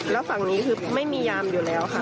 แล้วฝั่งนี้คือไม่มียามอยู่แล้วค่ะ